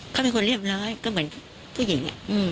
เขาเป็นคนเรียบร้อยก็เหมือนผู้หญิง